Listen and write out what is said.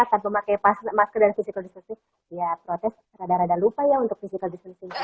tanpa memakai masker dan physical distancing ya protes rada rada lupa ya untuk physical distancing